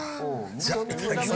じゃあいただきます